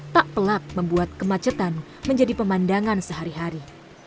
tak pelak membuat kemacetan menjadi pemandangan sehari hari